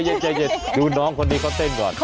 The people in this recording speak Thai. เดี๋ยวดูน้องคนนี้เขาเต้นก่อน